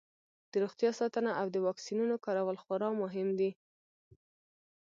د روغتیا ساتنه او د واکسینونو کارول خورا مهم دي.